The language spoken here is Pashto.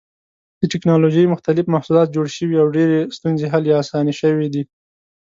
د ټېکنالوجۍ مختلف محصولات جوړ شوي او ډېرې ستونزې حل یا اسانې شوې دي.